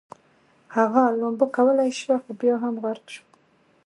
هغه لامبو کولی شوه خو بیا هم غرق شو